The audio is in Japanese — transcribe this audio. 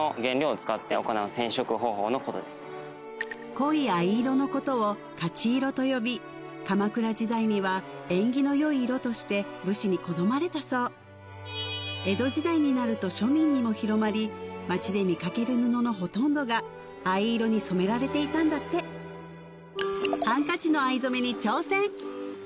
濃い藍色のことを勝ち色と呼び鎌倉時代には縁起の良い色として武士に好まれたそう江戸時代になると庶民にも広まり町で見かける布のほとんどが藍色に染められていたんだってハンカチの藍染に挑戦！